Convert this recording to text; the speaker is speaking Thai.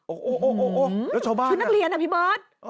โอ้โหแล้วชาวบ้านชุดนักเรียนอ่ะพี่เบิร์ต